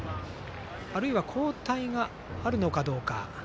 あるいは交代があるのかどうか。